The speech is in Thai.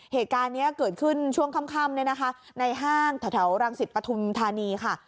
เหตุการณ์เนี้ยเกิดขึ้นช่วงค่ำค่ำเนี้ยนะคะในห้างแถวแถวรังสิตปฐุมธานีค่ะ